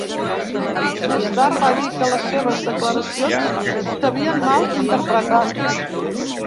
Més tard va dir que les seves declaracions s"havien mal interpretat.